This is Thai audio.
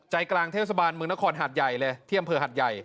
ใจกลางเทศบาลเมืองนครหัดใหญ่และเที่ยมเผอร์หัดใหญ่